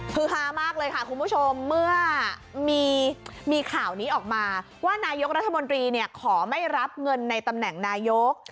คือฮามากเลยค่ะคุณผู้ชมเมื่อมีข่าวนี้ออกมาว่านายกรัฐมนตรีขอไม่รับเงินในตำแหน่งนายก